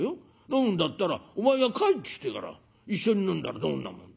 飲むんだったらお前が帰ってきてから一緒に飲んだらどんなもんだ。